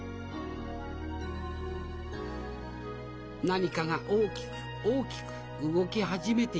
何かが大きく大きく動き始めていました